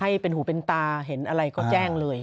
ให้เป็นหูเป็นตาเห็นอะไรก็แจ้งเลย